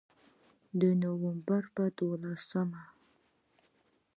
د نومبر په دولسمه